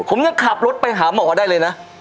ผมยังขับรถไปหาหมอได้เลยนะ